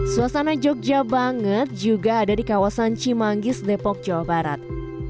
suasana jogja banget juga ada di kawasan cimanggis depok jawa barat